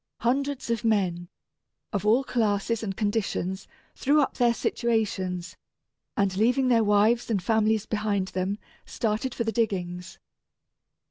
Hundreds of men, of all classes and conditions, threw up their situations, and leaving their wives and families behind them, started for the diggings.